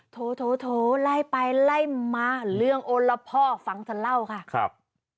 โทรโทโทรไล่ไปไล่มาเรื่องโอรพ่อฟังเสล่าค่ะครับ